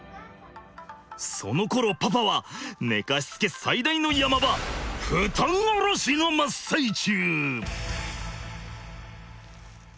そのころパパは寝かしつけ最大の山場布団降ろしの真っ最中！